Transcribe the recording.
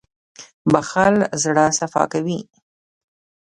• بښل زړه صفا کوي.